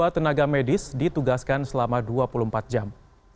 dua puluh tenaga medis ditugaskan selama dua puluh empat jam